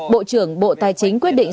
bộ trưởng bộ tài chính quyết định